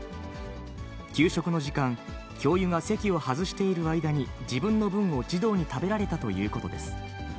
給食の時間、教諭が席を外している間に自分の分を児童に食べられたということです。